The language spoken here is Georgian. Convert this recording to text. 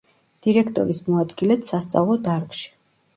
დირექტორის მოადგილედ სასწავლო დარგში.